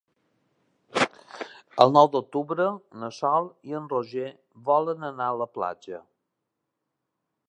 El nou d'octubre na Sol i en Roger volen anar a la platja.